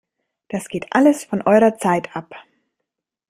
Das geht alles von eurer Zeit ab!